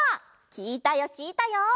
きいたよきいたよ。